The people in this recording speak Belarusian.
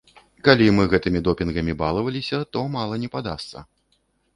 Калі мы гэтымі допінгамі балаваліся, то мала не падасца.